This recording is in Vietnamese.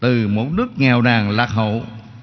từ một nước nghèo nàng lạc hậu